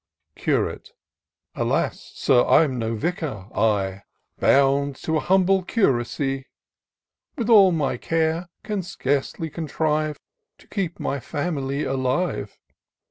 Curate. " Alas ! Sir, I'm no vicar ;— I, Bound to an humble curacy. With all my care can scarce contrive To keep my family alive.